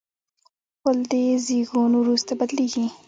غول د زیږون وروسته بدلېږي.